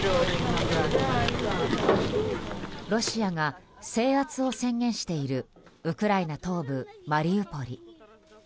ロシアが制圧を宣言しているウクライナ東部マリウポリ。